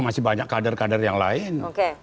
masih banyak kader kader yang lain